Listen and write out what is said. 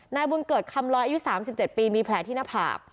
นายบุญเกิดคำลอยอายุ๓๗ปีมีแผลที่หน้าผาก